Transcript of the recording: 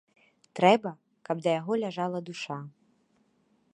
Трэба, каб да яго ляжала душа.